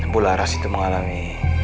bula ras itu mengalami